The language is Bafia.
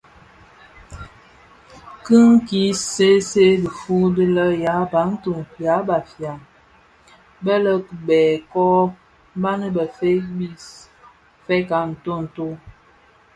Bi ki see see dhifuu di bè yabantu (ya Bafia) be kibèè kō bani bëftëg bis fèeg a ntonto.